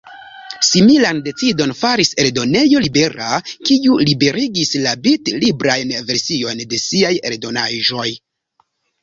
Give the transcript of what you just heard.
Similan decidon faris Eldonejo Libera, kiu liberigis la bitlibrajn versiojn de siaj eldonaĵoj.